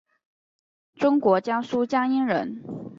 中国江苏江阴人。